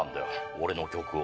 俺の曲を。